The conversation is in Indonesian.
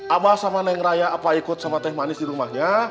abah sama neng raya apa ikut sama teh manis di rumahnya